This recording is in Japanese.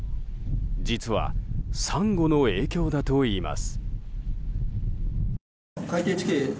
実は、サンゴの影響だといいます。